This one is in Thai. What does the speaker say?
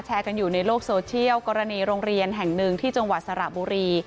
กันอยู่ในโลกโซเชียลกรณีโรงเรียนแห่งหนึ่งที่จังหวัดสระบุรี